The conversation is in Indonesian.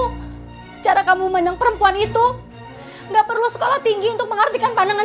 hai cara kamu menang perempuan itu gak perlu sekolah tinggi untuk mengertikan pandangan